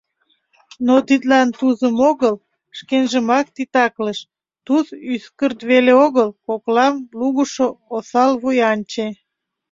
Но тидлан Тузым огыл, шкенжымак титаклыш: «Туз ӱскырт веле огыл, коклам лугышо осал вуянче.